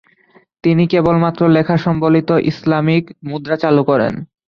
তিনি কেবলমাত্র লেখা সংবলিত ইসলামিক মুদ্রা চালু করেন।